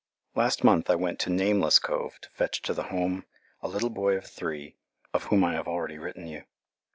Last month I went to Nameless Cove to fetch to the Home a little boy of three, of whom I have already written you.